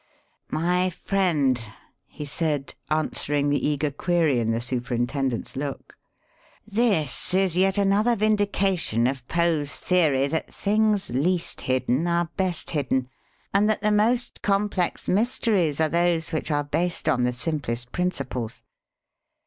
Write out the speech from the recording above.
"My friend," he said, answering the eager query in the superintendent's look, "this is yet another vindication of Poe's theory that things least hidden are best hidden, and that the most complex mysteries are those which are based on the simplest principles.